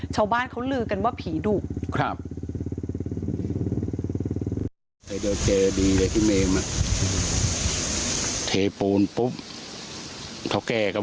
ชาวบ้านเขาลือกันว่าผีดุ